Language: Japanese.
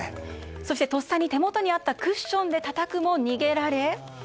そして、とっさに手元にあったクッションでたたくも逃げられ。